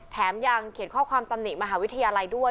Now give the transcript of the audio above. แถมยังเขียนข้อความตำหนิมหาวิทยาลัยด้วย